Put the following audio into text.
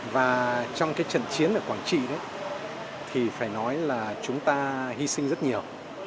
và trong cái trận chiến ở quảng trị thì phải nói là chúng ta hy sinh rất nhiều